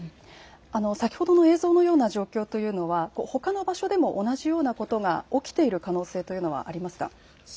先ほどの映像のような状況というのは、ほかの場所でも同じようなことが起きている可能性というのはありますか。